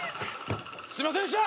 すいませんでした！